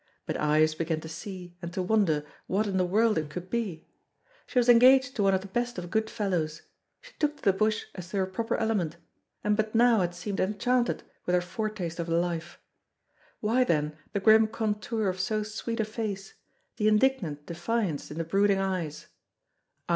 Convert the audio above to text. But Ives began to see and to wonder what in the world it could be. She was engaged to one of the best of good fellows. She took to the bush as to her proper element, and but now had seemed enchanted with her foretaste of the life. Why then the grim contour of so sweet a face, the indignant defiance in the brooding eyes?